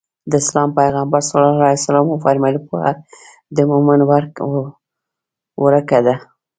د اسلام پيغمبر ص وفرمايل پوهه د مؤمن ورکه ده.